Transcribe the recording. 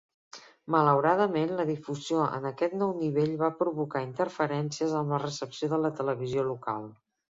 Malauradament, la difusió en aquest nou nivell va provocar interferències amb la recepció de la televisió local.